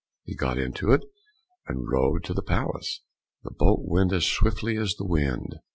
He got into it and rowed to the palace. The boat went as swiftly as the wind.